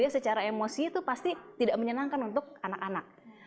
secara emosi itu pasti tidak menyenangkan untuk anak anak